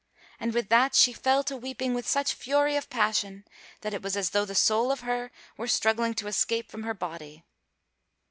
And with that she fell to weeping with such fury of passion that it was as though the soul of her were struggling to escape from her body.